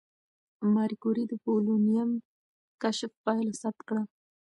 ماري کوري د پولونیم کشف پایله ثبت کړه.